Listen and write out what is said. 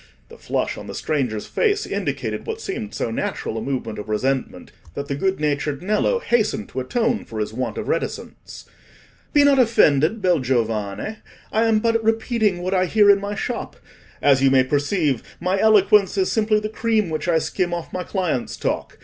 The flush on the stranger's face indicated what seemed so natural a movement of resentment, that the good natured Nello hastened to atone for his want of reticence. "Be not offended, bel giovane; I am but repeating what I hear in my shop; as you may perceive, my eloquence is simply the cream which I skim off my clients' talk.